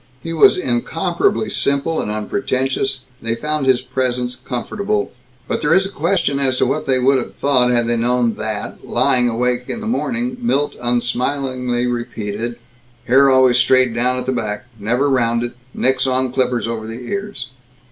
He was incomparably simple and unpretentious; they found his presence comfortable. But there is a question as to what they would have thought had they known that, lying awake in the morning, Milt unsmilingly repeated: "Hair always straight down at the back. Never rounded. Nix on clippers over the ears.